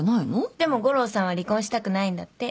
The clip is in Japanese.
でも悟郎さんは離婚したくないんだって。